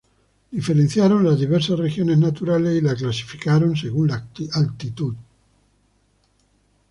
Diferenciaron las diversas regiones naturales y la clasificaron según la altitud.